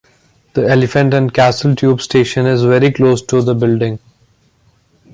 The Elephant and Castle tube station is very close to the building.